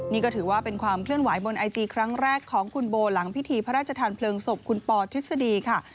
นี่ก็ถือว่าเป็นความเคลื่อนไหวบนไอจีครั้งแรกของคุณโบหลังพิธีพระราชทานเพลิงศพคุณปอทฤษฎีค่ะ